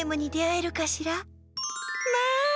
まあ！